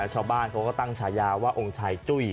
ชาวบ้านเขาก็ตั้งฉายาว่าองค์ชายจุ้ย